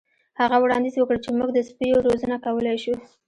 هغه وړاندیز وکړ چې موږ د سپیو روزنه کولی شو